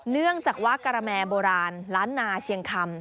เนื่องจากว่าการแมโบราณล้านนาเชียงคำ